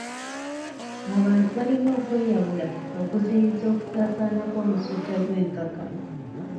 Abantu balina okweyawula okuziyiza okusaasaana kw'omusujja gw'enkaka.